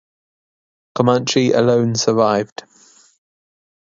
Comanche alone survived.